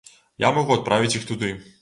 Я магу адправіць іх туды.